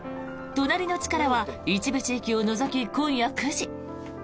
「となりのチカラ」は一部地域を除き、今夜９時。